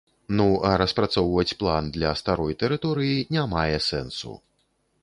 Ну, а распрацоўваць план для старой тэрыторыі не мае сэнсу.